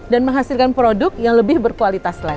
dan menghasilkan produk yang lebih berkualitas lain